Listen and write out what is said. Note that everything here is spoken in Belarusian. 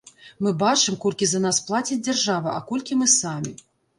Мы бачым, колькі за нас плаціць дзяржава, а колькі мы самі.